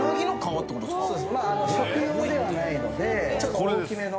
食用ではないのでちょっと大きめの。